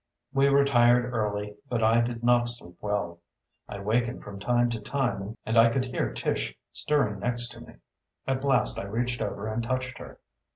We retired early, but I did not sleep well. I wakened from time to time and I could hear Tish stirring next to me. At last I reached over and touched her.